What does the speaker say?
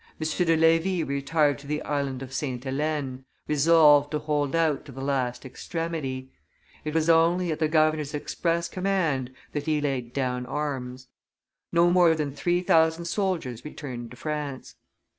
M. de Levis retired to the Island of Sainte Helene, resolved to hold out to the last extremity; it was only at the governor's express command that he laid down arms. No more than three thousand soldiers returned to France.